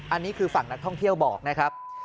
อันนี้คือฝั่งนักท่องเที่ยวบอกนะครับ